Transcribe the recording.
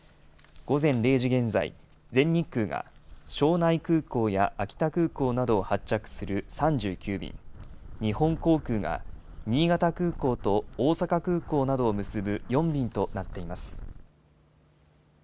午前０時現在、全日空が庄内空港や秋田空港などを発着する３９便、日本航空が新潟空港と大阪空港などを結ぶ４便となっています。